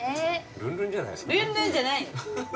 ルンルンじゃないですか。